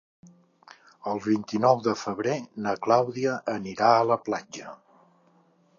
El vint-i-nou de febrer na Clàudia anirà a la platja.